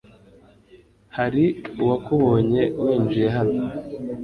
Hari uwakubonye winjiye hano?